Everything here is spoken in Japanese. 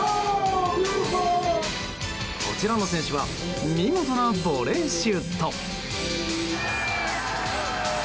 こちらの選手は見事なボレーシュート。